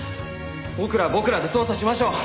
僕らは僕らで捜査しましょう！